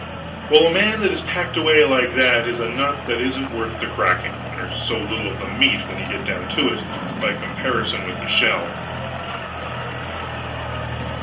Well, a man that is packed away like that is a nut that isn't worth the cracking, there is so little of the meat, when you get down to it, by comparison with the shell.